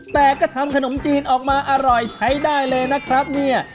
แต่ก็ทำขนมจีนออกมาอร่อยใช้ได้เลยนะครับเนี่ย